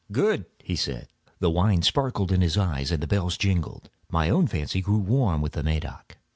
"Good!" he said. The wine sparkled in his eyes and the bells jingled. My own fancy grew warm with the Medoc.